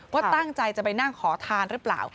ว่าตั้งใจจะไปนั่งขอทานหรือเปล่า